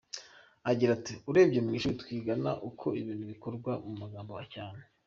Agira ati “Urebye mu ishuri twigaga uko ibintu bikorwa mu magambo cyane.